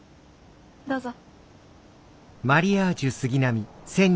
どうぞ。